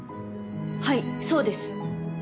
はいそうです。